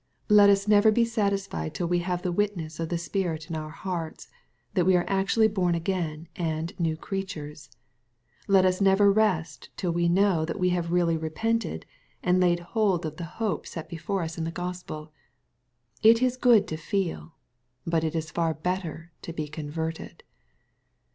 Let us never be satisfied till we have the witness of the Spirit in our hearts, that we are actually bom again and new creatures. Let us never rest till we know that wo have really repented, and laid hold on the hope set be* MATTHEW, CHAP. XIX. 239 fore us in the Gospel. It is good to feel. But it is fai better to be converted.